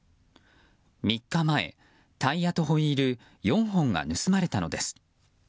３日前、タイヤとホイール４本が盗まれたのです。